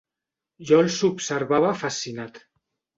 Jo els observava fascinat.